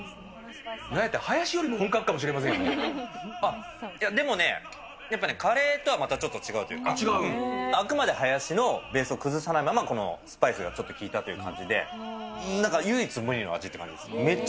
なんやったらハヤシよりも本でもね、やっぱね、カレーとはまたちょっと違うというか、あくまでハヤシのベースを崩さないまま、このスパイスがちょっと効いたという感じで、なんか唯一無二の味って感じです。